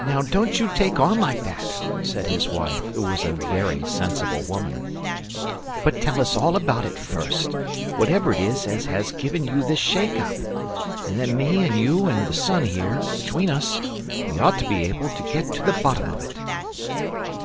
"Now don't you take on like that," said his wife, who was a VERY sensible woman: "but tell us all about it first, whatever it is as has given you this shake up, and then me and you and the son here, between us, we ought to be able to get to the bottom of it!"